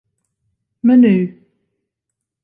Menu.